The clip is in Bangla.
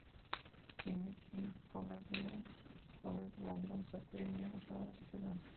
তিনি কিংস কলেজ লন্ডন ছাত্র ইউনিয়নের সভাপতি ছিলেন।